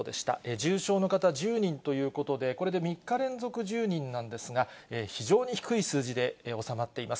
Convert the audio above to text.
重症の方、１０人ということで、これで３日連続、１０人なんですが、非常に低い数字で収まっています。